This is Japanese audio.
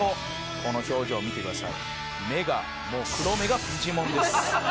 「この表情見てください」「目が黒目がフィジモンです」